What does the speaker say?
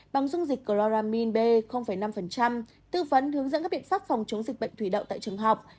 bằng dung dịch chloramine b năm tư vấn hướng dẫn các biện pháp phòng chống dịch bệnh thủy đậu tại trường học